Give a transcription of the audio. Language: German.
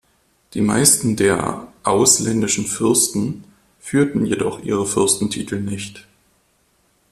Die meisten der "ausländischen Fürsten" führten jedoch ihre Fürstentitel nicht.